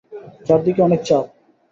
চারদিকে অনেক চাপ।